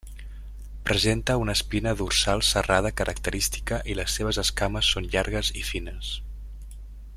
Presenta una espina dorsal serrada característica i les seves escames són llargues i fines.